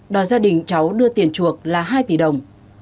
đòi gia đình cháu đưa tiền chuộc là hai tỷ đồng